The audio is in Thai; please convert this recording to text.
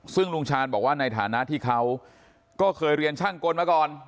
ซึ่งลุงชาญบอกว่าในฐานะที่เขาก็เคยเรียนช่างกลมาก่อน